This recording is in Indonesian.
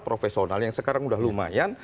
profesional yang sekarang udah lumayan